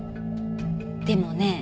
でもね